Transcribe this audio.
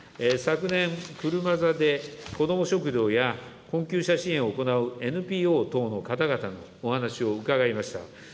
昨年、車座で子ども食堂や困窮者支援を行うＮＰＯ等の方々のお話を伺いました。